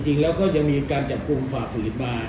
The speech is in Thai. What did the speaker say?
ก็จริงแล้วก็ยังมีการจับกลุ่มฝากสุดลิบมา